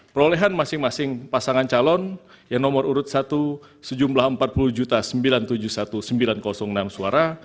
perolehan masing masing pasangan calon yang nomor urut satu sejumlah empat puluh sembilan ratus tujuh puluh satu sembilan ratus enam suara